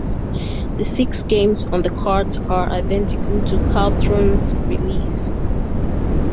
The six games on the cart are identical to Caltron's release.